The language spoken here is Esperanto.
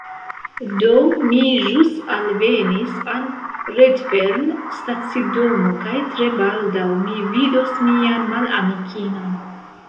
Do, mi ĵus alvenis al Redfern stacidomo kaj tre baldaŭ mi vidos mian malamikinon